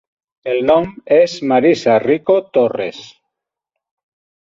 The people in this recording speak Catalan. El nom és Marisa Rico Torres.